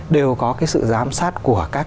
đều có cái sự giám sát của các